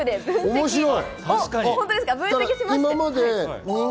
面白い。